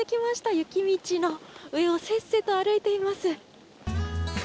雪道の上をせっせと歩いています。